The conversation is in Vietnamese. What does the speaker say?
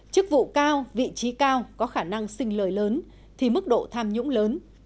chức vụ cao vị trí cao có khả năng sinh lời lớn thì mức độ tham nhũng lớn